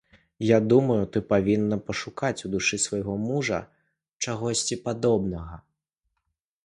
Я думаю, ты павінна пашукаць у душы свайго мужа чагосьці падобнага.